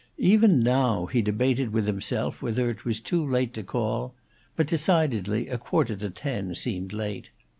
Even now he debated with himself whether it was too late to call; but, decidedly, a quarter to ten seemed late.